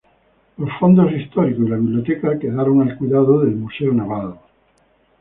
Los fondos históricos y la biblioteca quedaron al cuidado del Museo Naval.